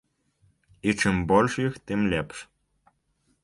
І чым больш іх, тым лепш.